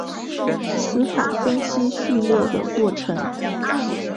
词法分析序列的过程。